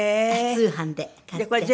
通販で買って。